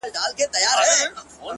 چي يې سم نيمی له ياده يم ايستلی-